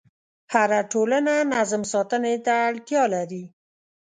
هره ټولنه نظم ساتنې ته اړتیا لري.